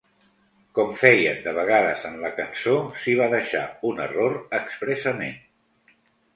Com feien de vegades, en la cançó s’hi va deixar un error expressament.